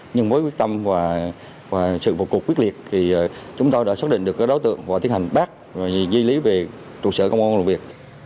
nhưng với quyết tâm và sự bộ cuộc quyết liệt thì chúng tôi đã xác định được đối tượng và tiến hành bắt và di lý về trụ sở công an làm việc